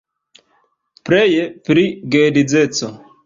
Pleje pri geedzeco.